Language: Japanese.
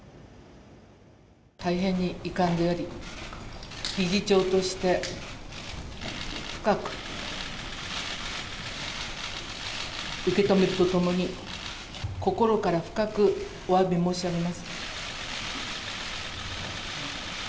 大変に遺憾であり、理事長として深く受け止めるとともに、心から深くおわび申し上げます。